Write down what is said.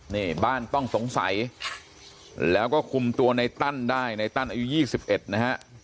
นี่บ้านต้องสงสัยแล้วก็คุมตัวในตั้นได้ในตั้นอายุ๒๑นะฮะ